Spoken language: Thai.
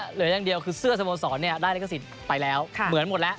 เหลืออย่างเดียวคือเสื้อสโมสรได้ลิขสิทธิ์ไปแล้วเหมือนหมดแล้ว